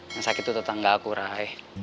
yang sakit itu tetangga aku rai